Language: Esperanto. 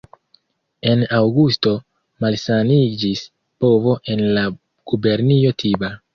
En aŭgusto malsaniĝis bovo en la gubernio Tiba.